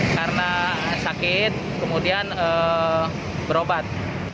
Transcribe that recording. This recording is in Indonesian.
karena sakit kemudian berobat